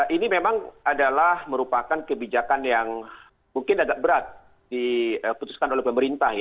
ini memang adalah merupakan kebijakan yang mungkin agak berat diputuskan oleh pemerintah